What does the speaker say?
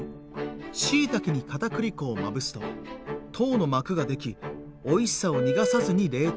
「しいたけに片栗粉をまぶすと糖の膜が出来おいしさを逃がさずに冷凍できる」。